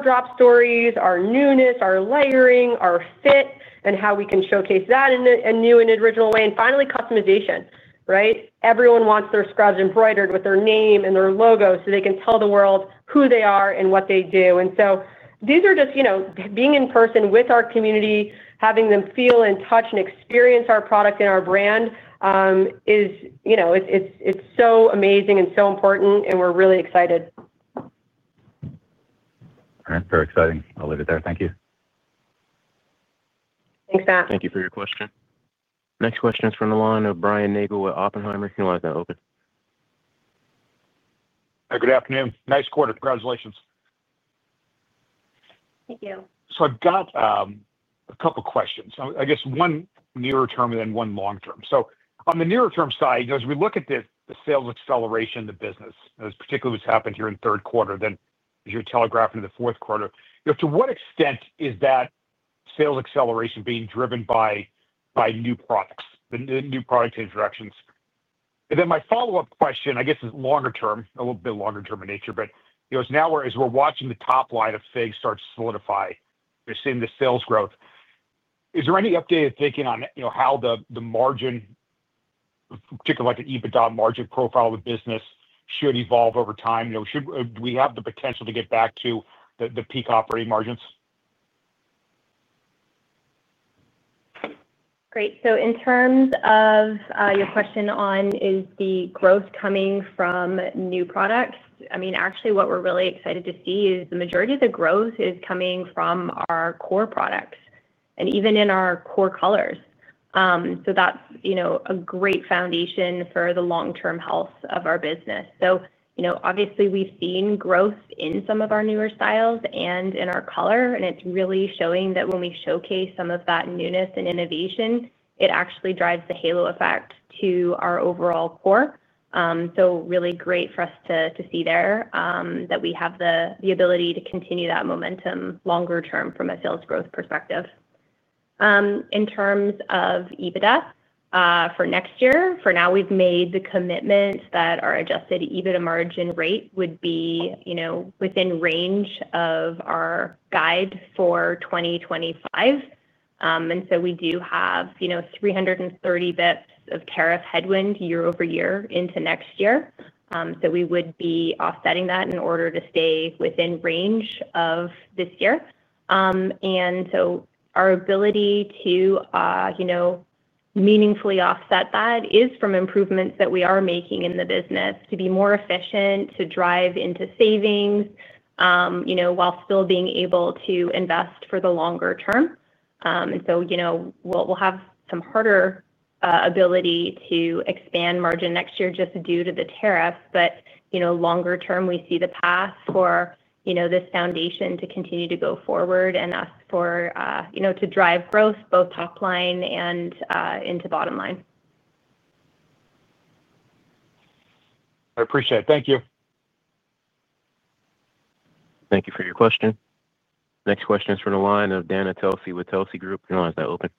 C: drop stories, our newness, our layering, our fit, and how we can showcase that in a new and original way. Finally, customization, right? Everyone wants their scrubs embroidered with their name and their logo so they can tell the world who they are and what they do. These are just being in person with our community, having them feel and touch and experience our product and our brand. It's so amazing and so important, and we're really excited.
H: All right. Very exciting. I'll leave it there. Thank you.
C: Thanks, Matt.
A: Thank you for your question. Next question is from the line of Brian Nagel with Oppenheimer. Your line is open.
I: Good afternoon. Nice quarter. Congratulations.
D: Thank you.
I: I've got a couple of questions. I guess one near-term and then one long-term. On the near-term side, as we look at the sales acceleration of the business, that's particularly what's happened here in the third quarter. As you're telegraphing to the fourth quarter, to what extent is that sales acceleration being driven by new products, new product introductions? My follow-up question, I guess, is longer-term, a little bit longer-term in nature, but as we're watching the top line of FIGS start to solidify, you're seeing the sales growth. Is there any updated thinking on how the margin, particularly like the EBITDA margin profile of the business, should evolve over time? Do we have the potential to get back to the peak operating margins?
D: Great. In terms of your question on, is the growth coming from new products? I mean, actually, what we're really excited to see is the majority of the growth is coming from our core products and even in our core colors. That's a great foundation for the long-term health of our business. Obviously, we've seen growth in some of our newer styles and in our color, and it's really showing that when we showcase some of that newness and innovation, it actually drives the halo effect to our overall core. Really great for us to see there that we have the ability to continue that momentum longer-term from a sales growth perspective. In terms of EBITDA for next year, for now, we've made the commitment that our Adjusted EBITDA margin rate would be within range of our guide for 2025. We do have 330 basis points of tariff headwind year-over-year into next year. We would be offsetting that in order to stay within range of this year. Our ability to meaningfully offset that is from improvements that we are making in the business to be more efficient, to drive into savings, while still being able to invest for the longer term. We will have some harder ability to expand margin next year just due to the tariffs, but longer-term, we see the path for this foundation to continue to go forward and for us to drive growth both top line and into bottom line.
I: I appreciate it. Thank you.
A: Thank you for your question. Next question is from the line of Dana Telsey with Telsey Group. Your line is open.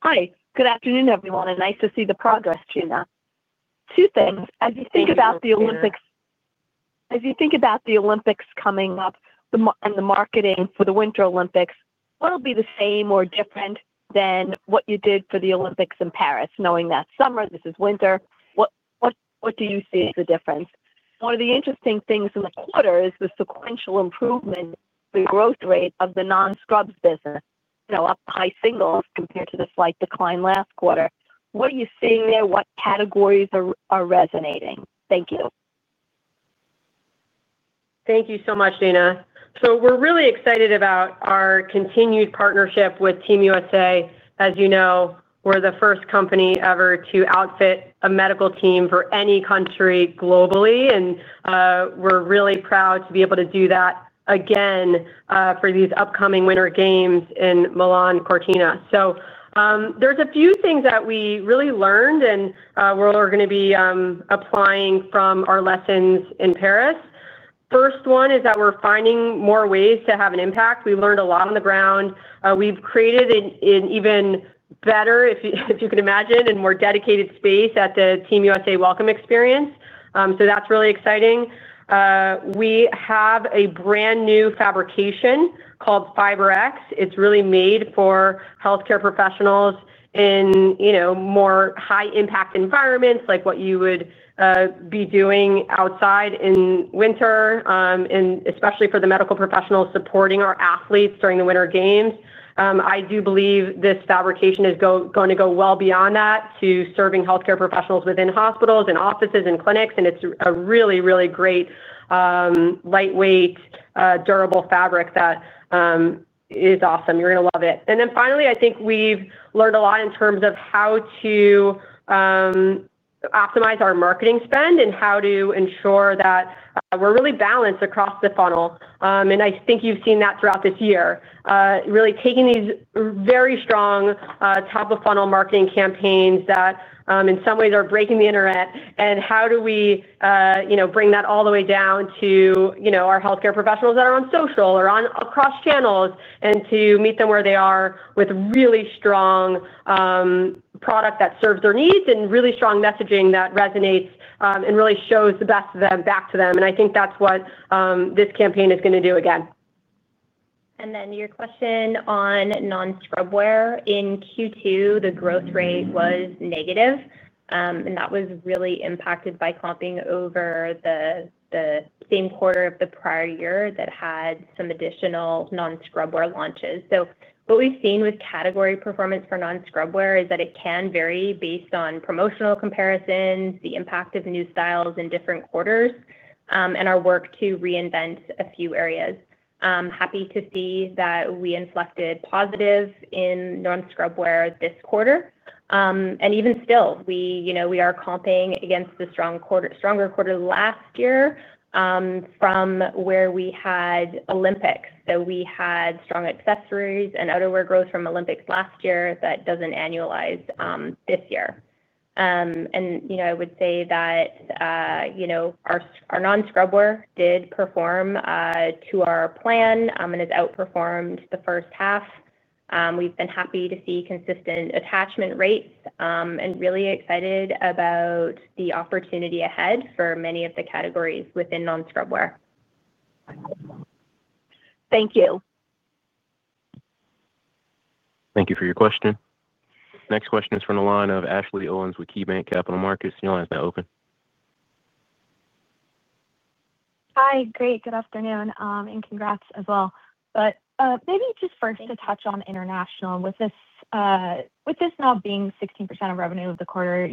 J: Hi. Good afternoon, everyone. Nice to see the progress, Trina. Two things. As you think about the Olympics. As you think about the Olympics coming up and the marketing for the Winter Olympics, what will be the same or different than what you did for the Olympics in Paris, knowing that's summer, this is winter? What do you see as the difference? One of the interesting things in the quarter is the sequential improvement in the growth rate of the non-scrubs business. Up high singles compared to the slight decline last quarter. What are you seeing there? What categories are resonating? Thank you.
C: Thank you so much, Dana. We are really excited about our continued partnership with Team USA. As you know, we are the first company ever to outfit a medical team for any country globally, and we are really proud to be able to do that again for these upcoming Winter Games in Milan, Cortina. There are a few things that we really learned, and we're going to be applying from our lessons in Paris. The first one is that we're finding more ways to have an impact. We learned a lot on the ground. We've created an even better, if you can imagine, and more dedicated space at the Team USA welcome experience. That is really exciting. We have a brand new fabrication called FIBREX. It's really made for healthcare professionals in more high-impact environments like what you would be doing outside in winter, and especially for the medical professionals supporting our athletes during the Winter Games. I do believe this fabrication is going to go well beyond that to serving healthcare professionals within hospitals and offices and clinics, and it's a really, really great lightweight, durable fabric that is awesome. You're going to love it. Finally, I think we have learned a lot in terms of how to optimize our marketing spend and how to ensure that we are really balanced across the funnel. I think you have seen that throughout this year. Really taking these very strong top-of-funnel marketing campaigns that in some ways are breaking the internet, and how do we bring that all the way down to our healthcare professionals that are on social or across channels and meet them where they are with really strong product that serves their needs and really strong messaging that resonates and really shows the best of them back to them. I think that is what this campaign is going to do again.
D: Your question on non-scrubwear: in Q2, the growth rate was negative, and that was really impacted by clumping over the. Same quarter of the prior year that had some additional non-scrubwear launches. What we've seen with category performance for non-scrubwear is that it can vary based on promotional comparisons, the impact of new styles in different quarters, and our work to reinvent a few areas. Happy to see that we inflected positive in non-scrubwear this quarter. Even still, we are comping against the stronger quarter last year from where we had Olympics. We had strong accessories and outerwear growth from Olympics last year that does not annualize this year. I would say that our non-scrubwear did perform to our plan and has outperformed the first half. We've been happy to see consistent attachment rates and really excited about the opportunity ahead for many of the categories within non-scrubwear.
J: Thank you.
A: Thank you for your question. Next question is from the line of Ashley Owens with KeyBanc Capital Markets. Your line is open.
K: Hi. Great. Good afternoon. And congrats as well. Maybe just first to touch on international. With this now being 16% of revenue for the quarter,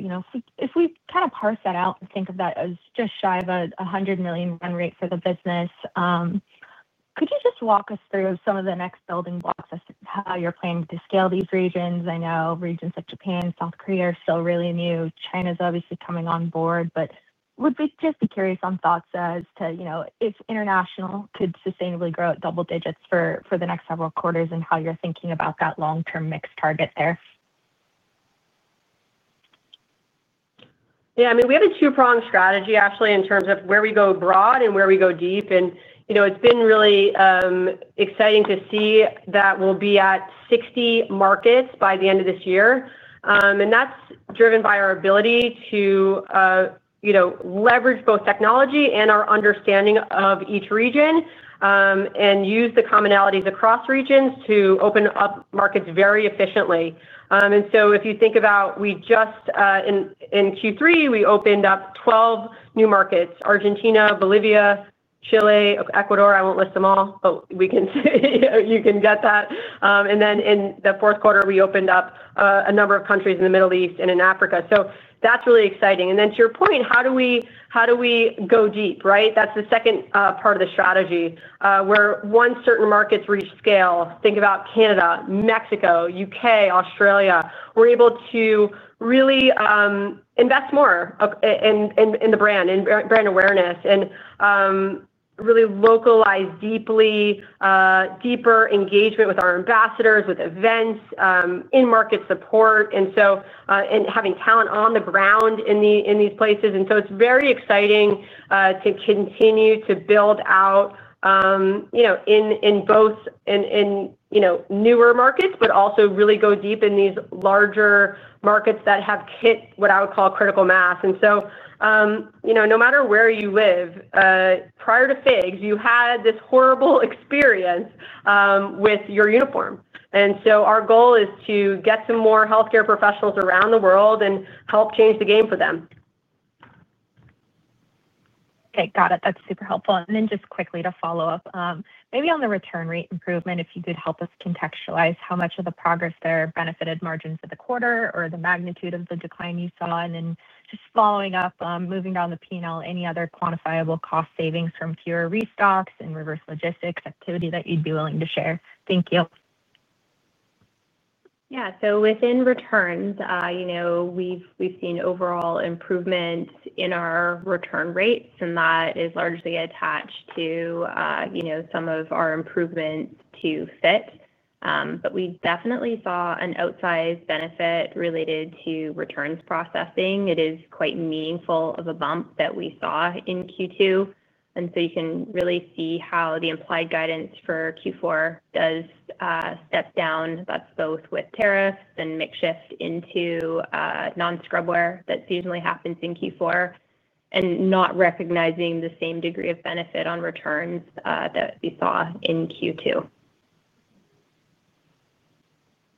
K: if we kind of parse that out and think of that as just shy of a $100 million run rate for the business, could you just walk us through some of the next building blocks as to how you're planning to scale these regions? I know regions like Japan and South Korea are still really new. China's obviously coming on board. Would just be curious on thoughts as to if international could sustainably grow at double digits for the next several quarters and how you're thinking about that long-term mix target there.
C: Yeah. I mean, we have a two-pronged strategy, actually, in terms of where we go broad and where we go deep. It has been really exciting to see that we will be at 60 markets by the end of this year. That is driven by our ability to leverage both technology and our understanding of each region, and use the commonalities across regions to open up markets very efficiently. If you think about in Q3, we opened up 12 new markets: Argentina, Bolivia, Chile, Ecuador. I will not list them all, but you can get that. In the fourth quarter, we opened up a number of countries in the Middle East and in Africa. That is really exciting. To your point, how do we go deep, right? That is the second part of the strategy, where once certain markets rescale, think about Canada, Mexico, U.K., Australia. We're able to really invest more in the brand and brand awareness and really localize deeper engagement with our ambassadors, with events, in market support, and having talent on the ground in these places. It is very exciting to continue to build out in both newer markets, but also really go deep in these larger markets that have hit what I would call critical mass. No matter where you live, prior to FIGS, you had this horrible experience with your uniform. Our goal is to get to more healthcare professionals around the world and help change the game for them.
K: Okay. Got it. That's super helpful. Just quickly to follow-up, maybe on the return rate improvement, if you could help us contextualize how much of the progress there benefited margins of the quarter or the magnitude of the decline you saw. And then just following-up, moving down the P&L, any other quantifiable cost savings from fewer restocks and reverse logistics activity that you'd be willing to share? Thank you.
D: Yeah. So within returns, we've seen overall improvement in our return rates, and that is largely attached to some of our improvements to FITS. But we definitely saw an outsized benefit related to returns processing. It is quite meaningful of a bump that we saw in Q2. You can really see how the implied guidance for Q4 does step down. That's both with tariffs and makeshift into non-scrubwear that seasonally happens in Q4 and not recognizing the same degree of benefit on returns that we saw in Q2.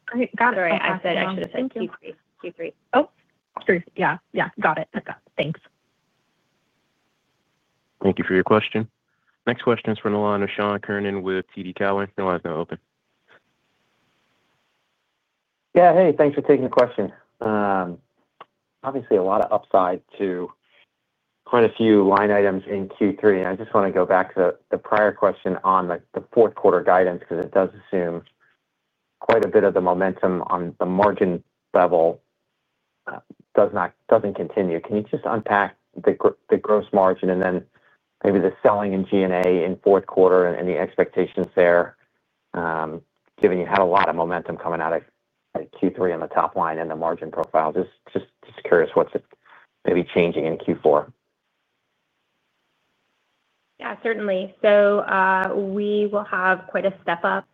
K: Great. Got it.
D: Sorry, I said actually Q3. Oh, yeah. Yeah. Got it. Thanks.
A: Thank you for your question. Next question is from the line of John Kernan with TD Cowen. Your line is open.
L: Yeah. Hey, thanks for taking the question. Obviously, a lot of upside to quite a few line items in Q3. And I just want to go back to the prior question on the fourth quarter guidance because it does assume quite a bit of the momentum on the margin level does not continue. Can you just unpack the gross margin and then maybe the selling and G&A in fourth quarter and the expectations there, given you had a lot of momentum coming out of Q3 on the top line and the margin profile? Just curious what's maybe changing in Q4.
D: Yeah, certainly. We will have quite a step-up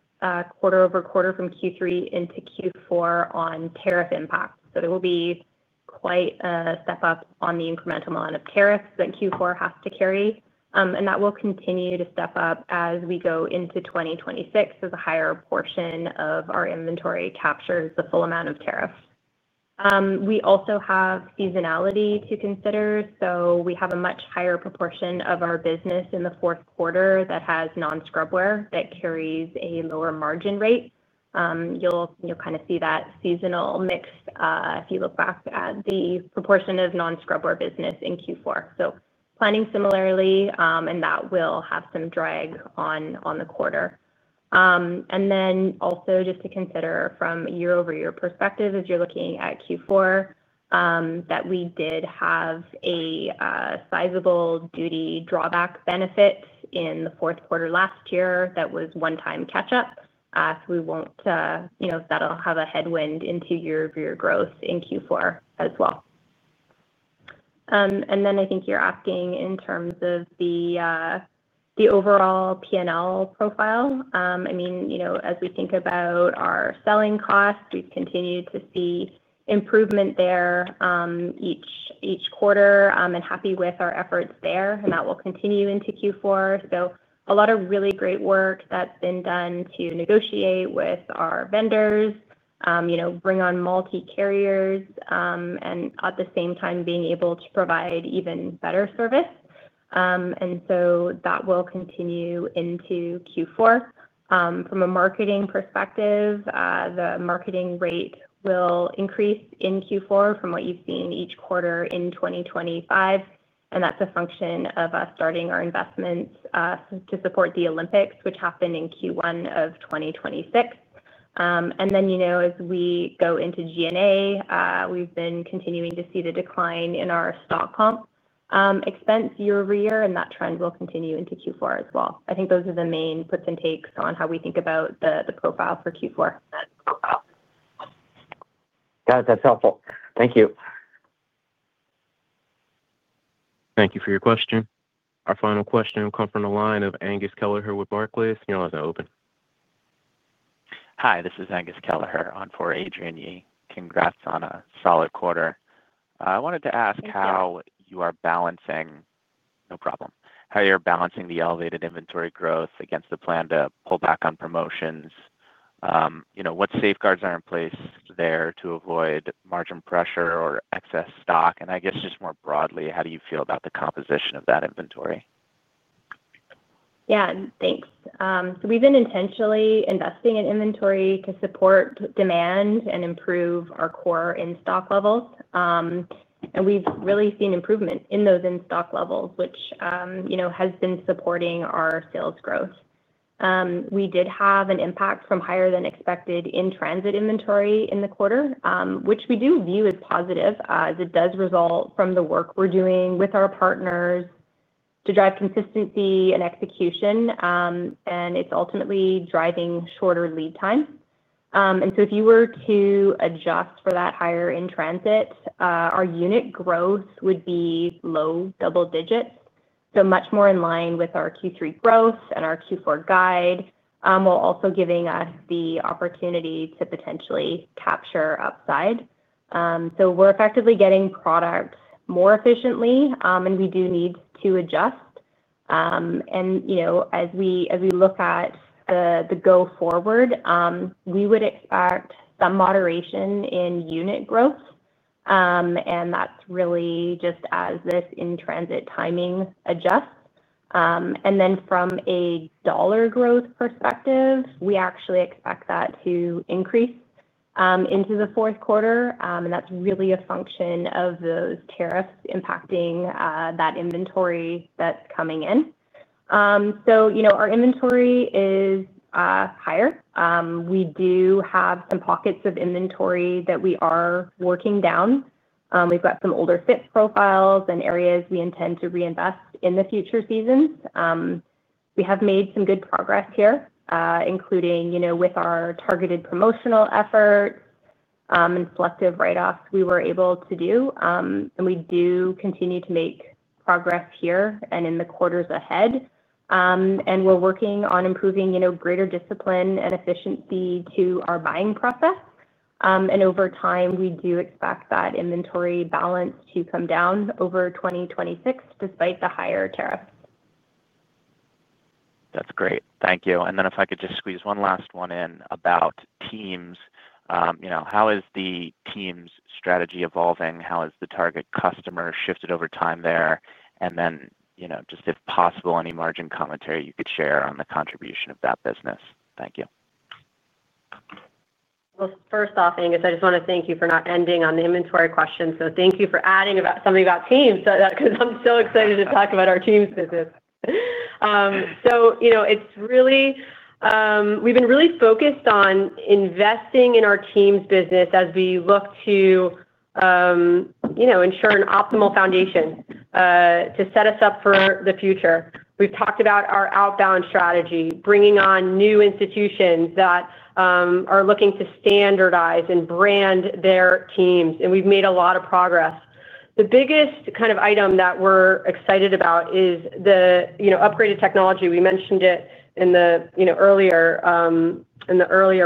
D: quarter-over-quarter from Q3 into Q4 on tariff impact. There will be quite a step-up on the incremental amount of tariffs that Q4 has to carry. That will continue to step up as we go into 2026 as a higher portion of our inventory captures the full amount of tariffs. We also have seasonality to consider. We have a much higher proportion of our business in the fourth quarter that has non-scrubwear that carries a lower margin rate. You'll kind of see that seasonal mix if you look back at the proportion of non-scrubwear business in Q4. Planning similarly, that will have some drag on the quarter. Also, just to consider from a year-over-year perspective as you're looking at Q4, we did have a sizable duty drawback benefit in the fourth quarter last year that was one-time catch-up. We won't. That'll have a headwind into year-over-year growth in Q4 as well. I think you're asking in terms of the overall P&L profile. I mean, as we think about our selling costs, we've continued to see improvement there each quarter and happy with our efforts there, and that will continue into Q4. A lot of really great work that's been done to negotiate with our vendors, bring on multi-carriers, and at the same time being able to provide even better service. That will continue into Q4. From a marketing perspective, the marketing rate will increase in Q4 from what you've seen each quarter in 2025. That's a function of us starting our investments to support the Olympics, which happen in Q1 of 2026. As we go into G&A, we've been continuing to see the decline in our stock comp. Expense year-over-year, and that trend will continue into Q4 as well. I think those are the main puts and takes on how we think about the profile for Q4.
L: That's helpful. Thank you.
A: Thank you for your question. Our final question will come from the line of Angus Kelleher with Barclays. Your line is open.
M: Hi, this is Angus Kelleher-Ferguson on for Adrian Yee. Congrats on a solid quarter. I wanted to ask how you are balancing— No problem. How you're balancing the elevated inventory growth against the plan to pull back on promotions. What safeguards are in place there to avoid margin pressure or excess stock? And I guess just more broadly, how do you feel about the composition of that inventory?
D: Yeah. Thanks. So we've been intentionally investing in inventory to support demand and improve our core in-stock levels. We have really seen improvement in those in-stock levels, which has been supporting our sales growth. We did have an impact from higher-than-expected in-transit inventory in the quarter, which we do view as positive as it does result from the work we are doing with our partners to drive consistency and execution. It is ultimately driving shorter lead time. If you were to adjust for that higher in-transit, our unit growth would be low double digits, much more in line with our Q3 growth and our Q4 guide, while also giving us the opportunity to potentially capture upside. We are effectively getting product more efficiently, and we do need to adjust. As we look at the go forward, we would expect some moderation in unit growth. That is really just as this in-transit timing adjusts. From a dollar growth perspective, we actually expect that to increase into the fourth quarter. That's really a function of those tariffs impacting that inventory that's coming in. Our inventory is higher. We do have some pockets of inventory that we are working down. We've got some older FIGS profiles and areas we intend to reinvest in for future seasons. We have made some good progress here, including with our targeted promotional efforts and selective write-offs we were able to do. We do continue to make progress here and in the quarters ahead. We're working on improving greater discipline and efficiency to our buying process. Over time, we do expect that inventory balance to come down over 2026, despite the higher tariffs.
M: That's great. Thank you. If I could just squeeze one last one in about Teams. How is the Teams strategy evolving? How has the target customer shifted over time there? If possible, any margin commentary you could share on the contribution of that business. Thank you.
C: First off, Angus, I just want to thank you for not ending on the inventory question. Thank you for adding something about Teams because I'm so excited to talk about our Teams business. We've been really focused on investing in our Teams business as we look to ensure an optimal foundation to set us up for the future. We've talked about our outbound strategy, bringing on new institutions that are looking to standardize and brand their teams. We've made a lot of progress. The biggest kind of item that we're excited about is the upgraded technology. We mentioned it in the earlier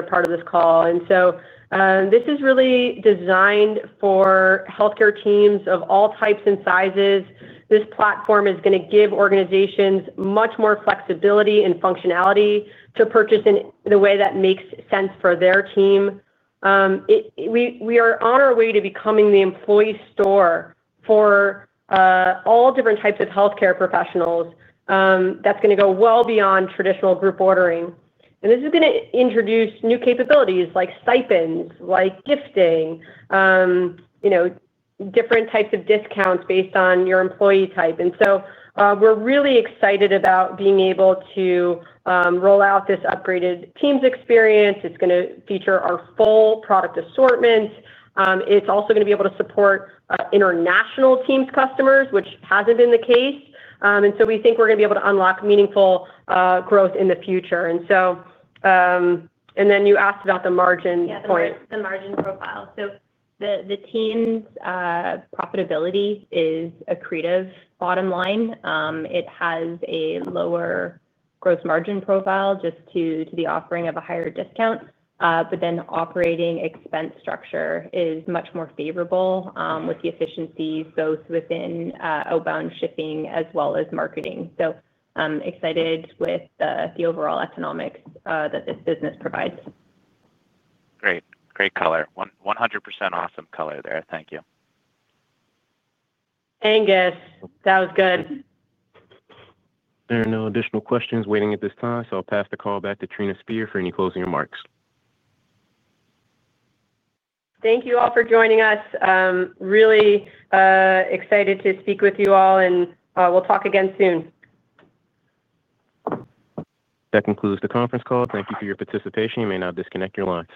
C: part of this call. This is really designed for healthcare teams of all types and sizes. This platform is going to give organizations much more flexibility and functionality to purchase in the way that makes sense for their team. We are on our way to becoming the employee store for all different types of healthcare professionals. That is going to go well beyond traditional group ordering. This is going to introduce new capabilities like stipends, like gifting, different types of discounts based on your employee type. We are really excited about being able to roll out this upgraded teams experience. It is going to feature our full product assortment. It is also going to be able to support International Teams customers, which has not been the case. We think we are going to be able to unlock meaningful growth in the future. You asked about the margin point.
D: Yeah, the margin profile. The Teams business' profitability is accretive to the bottom line. It has a lower gross margin profile just due to the offering of a higher discount. But then the operating expense structure is much more favorable with the efficiencies both within outbound shipping as well as marketing. I'm excited with the overall economics that this business provides.
M: Great. Great color. 100% awesome color there. Thank you.
C: Angus, that was good.
A: There are no additional questions waiting at this time. I'll pass the call back to Trina Spear for any closing remarks.
C: Thank you all for joining us. Really excited to speak with you all, and we'll talk again soon.
A: That concludes the conference call. Thank you for your participation. You may now disconnect your line.